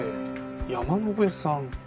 山野辺さん。